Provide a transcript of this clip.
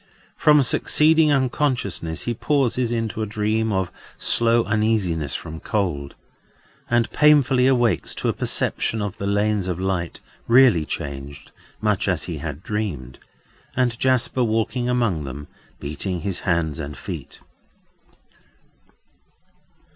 From succeeding unconsciousness he passes into a dream of slow uneasiness from cold; and painfully awakes to a perception of the lanes of light—really changed, much as he had dreamed—and Jasper walking among them, beating his hands and feet.